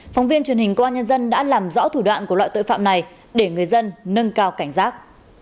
phóng viên truyền hình công an nhân dân đã làm rõ thủ đoạn của loại tội phạm này để người dân nâng cao cảnh giác